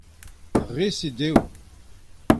Ar re-se dev.